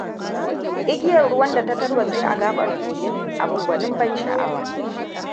Igiyar ruwan da ta tarwatse a gaɓar kogin; abin gwani ban sha'awa.